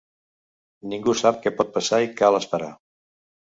Ningú sap què pot passar i cal esperar.